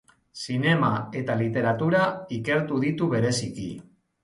Zinema eta literatura ikertu ditu bereziki.